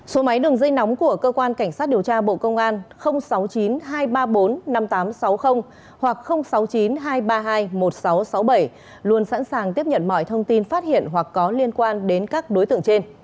số máy đường dây nóng của cơ quan cảnh sát điều tra bộ công an sáu mươi chín hai trăm ba mươi bốn năm nghìn tám trăm sáu mươi hoặc sáu mươi chín hai trăm ba mươi hai một nghìn sáu trăm sáu mươi bảy luôn sẵn sàng tiếp nhận mọi thông tin phát hiện hoặc có liên quan đến các đối tượng trên